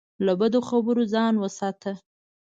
له بدو خبرو ځان وساته.